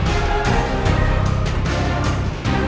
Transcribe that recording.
saya akan menjaga kebenaran raden